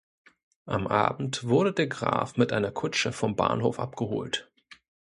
Am Abend wurde der Graf mit einer Kutsche vom Bahnhof abgeholt.